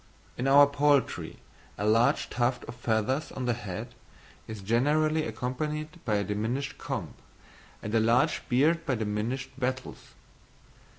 In our poultry, a large tuft of feathers on the head is generally accompanied by a diminished comb, and a large beard by diminished wattles.